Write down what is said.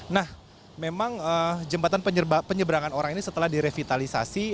nah memang jembatan penyeberangan orang ini setelah direvitalisasi